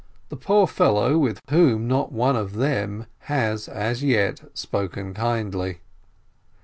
The poor fellow, with whom not one of "them" has as yet spoken kindly!